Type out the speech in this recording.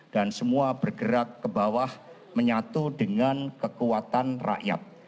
dan semua bergerak ke bawah menyatu dengan kekuatan rakyat